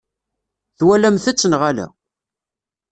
Twalamt-tt neɣ ala?